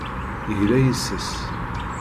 Yegla yes-s.